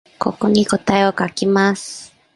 ここに答えを書きます。